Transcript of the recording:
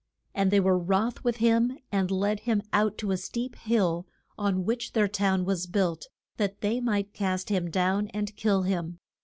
And they were wroth with him, and led him out to a steep hill on which their town was built, that they might cast him down and kill him.